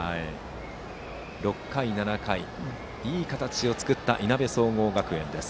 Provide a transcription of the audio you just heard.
６回、７回といい形を作ったいなべ総合学園。